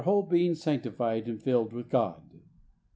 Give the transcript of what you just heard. whole being sanctified and filled with God.